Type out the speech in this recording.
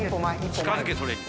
近づけそれに。